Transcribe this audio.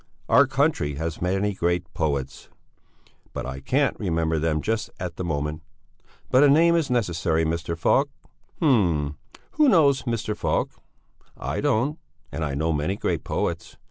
Our country has many great poets, but I can't remember them just at the moment; but a name is necessary. Mr. Falk? H'm! Who knows Mr. Falk? I don't, and I know many great poets.